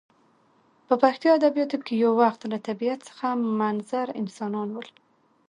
په پښتو ادبیاتو کښي یو وخت له طبیعت څخه منظر انسانان ول.